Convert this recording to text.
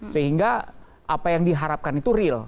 sehingga apa yang diharapkan itu real